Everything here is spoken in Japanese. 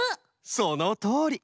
そのとおり！